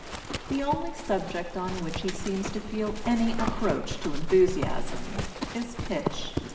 The only subject on which he seems to feel any approach to enthusiasm, is pitch.